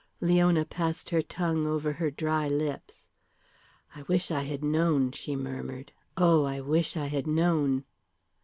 Leona passed her tongue over her dry lips. "I wish I had known," she murmured. "Oh, I wish I had known."